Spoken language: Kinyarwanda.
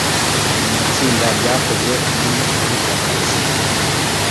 mu matsinda byakozwe muri buri kakagi